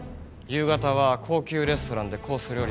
夕方は高級レストランでコース